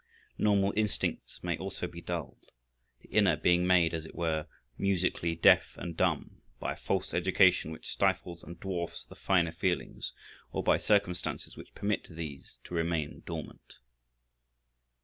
Normal instincts may also be dulled, the inner being made, as it were, musically deaf and dumb, by a false education which stifles and dwarfs the finer feelings, or by circumstances which permit these to remain dormant.